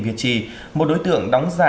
việt trì một đối tượng đóng giả